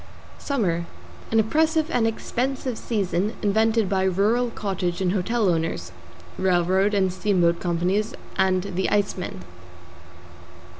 =SUMMER= An oppressive and expensive season invented by rural cottage and hotel owners, railroad and steamboat companies and the Iceman.